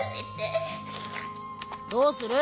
どうする？